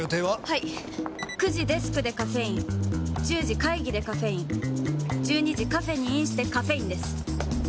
はい９時デスクでカフェイン１０時会議でカフェイン１２時カフェにインしてカフェインです！